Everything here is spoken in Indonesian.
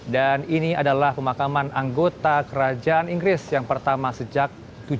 dan ini adalah pemakaman anggota kerajaan inggris yang pertama sejak seribu tujuh ratus enam puluh